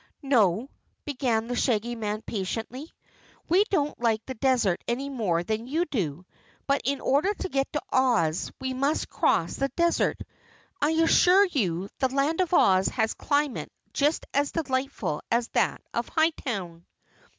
"No," began the Shaggy Man patiently, "we don't like the Desert any more than you do, but in order to get to Oz we must cross the Desert. I assure you the Land of Oz has a climate just as delightful as that of Hightown."